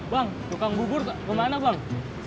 bang tukang bubur ke mana bang